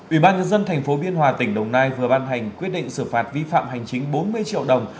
ủy ban nhân dân tp biên hòa tỉnh đồng nai vừa ban hành quyết định xử phạt vi phạm hành chính bốn mươi triệu đồng